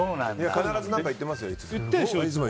必ず何か言ってますよ。